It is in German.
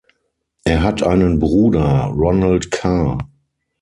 Er hat einen Bruder: Ronald Carr.